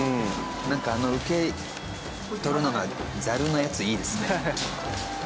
なんかあの受け取るのがザルのやついいですね。